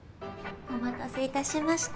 お待たせいたしました。